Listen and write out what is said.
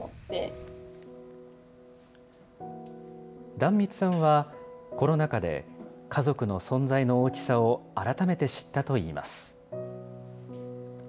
壇蜜さんは、コロナ禍で家族の存在の大きさを改めて知ったといいます。